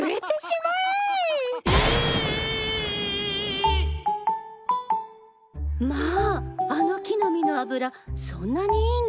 まああの木の実の油そんなにいいの？